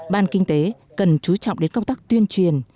ban kinh tế cần chú trọng đến công tác tuyên truyền